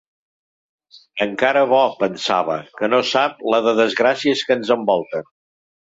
Encara bo, pensava, que no sap la de desgràcies que ens envolten.